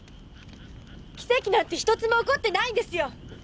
奇跡なんて一つも起こってないんですよ。